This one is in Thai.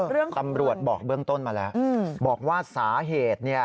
เรื่องของคุณตำรวจบอกเบื้องต้นมาแล้วบอกว่าสาเหตุ